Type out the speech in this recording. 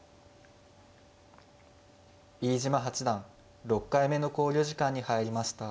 飯島八段６回目の考慮時間に入りました。